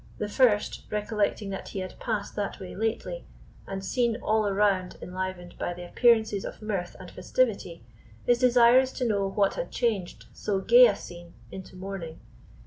The first, recollecting that he had passed that way lately, and seen all around enlivened by the appearances of mirth and festivity, is desirous to know what had changed so gay a scene into mourning.